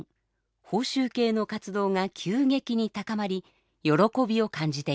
報酬系の活動が急激に高まり喜びを感じていました。